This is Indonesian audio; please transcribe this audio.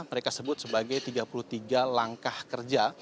mereka sebut sebagai tiga puluh tiga langkah kerja